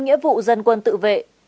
nghĩa vụ dân quân tự vệ